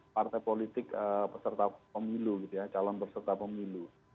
partai politik peserta pemilu calon peserta pemilu